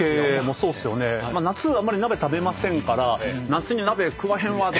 夏あんまり鍋食べませんから。